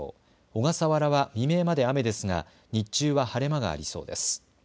小笠原は未明まで雨ですが日中は晴れ間がありそうです。